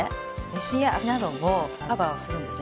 シミや赤みなどもカバーをするんですね。